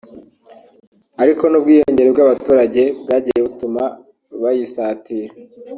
ariko n’ubwiyongere bw’abaturage bwagiye butuma bayisatira